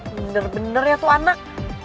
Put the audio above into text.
bener bener ya tuh anak